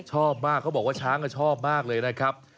ชอบมากเขาบอกว่าช้างก็ชอบมากเลยนะครับ